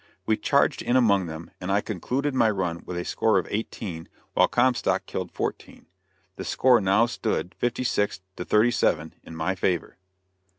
We charged in among them, and I concluded my run with a score of eighteen, while Comstock killed fourteen. The score now stood fifty six to thirty seven, in my favor.